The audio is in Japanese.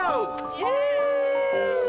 イエーイ！